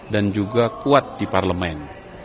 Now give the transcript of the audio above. dan juga kuat di parlemen